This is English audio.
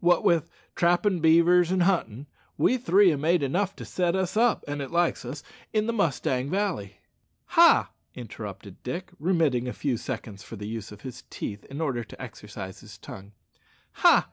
Wot with trappin' beavers and huntin', we three ha' made enough to set us up, an it likes us, in the Mustang Valley " "Ha!" interrupted Dick, remitting for a few seconds the use of his teeth in order to exercise his tongue ha!